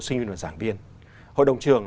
sinh viên và giảng viên hội đồng trường